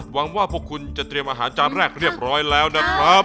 หวังว่าพวกคุณจะเตรียมอาหารจานแรกเรียบร้อยแล้วนะครับ